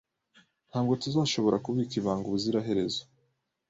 Ntabwo tuzashobora kubika ibanga ubuziraherezo.